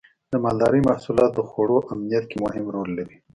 د مالدارۍ محصولات د خوړو امنیت کې مهم رول لري.